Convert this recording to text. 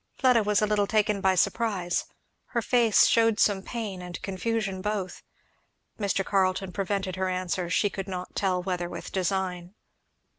Fleda was a little taken by surprise; her face shewed some pain and confusion both. Mr. Carleton prevented her answer, she could not tell whether with design.